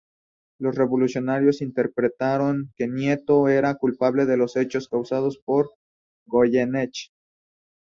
Los revolucionarios interpretaron que Nieto era culpable de los hechos causados por Goyeneche.